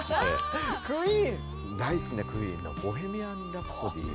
大好きなＱＵＥＥＮの「ボヘミアン・ラプソディ」を。